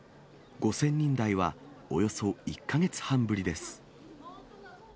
５０００人台は、およそ１か月半ぶりです。